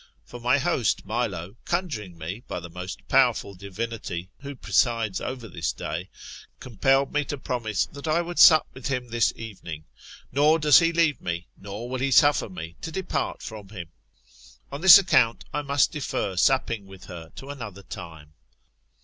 For my host Milo, con juring me by the most powerful divinity, who presides over this day, compelled me to promise that I would sup with him this evening ; nor does he leave me, nor will he suffer me to depart from him. On this account, I must defer supping with her to another time.